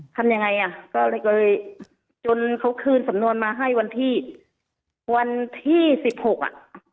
ทำยังไงอ่ะก็เลยจนเขาคืนสำนวนมาให้วันที่วันที่สิบหกอ่ะ